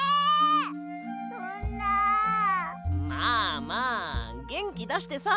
まあまあげんきだしてさ。